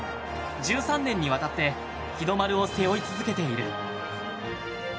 １３年にわたって日の丸を背負い続けている。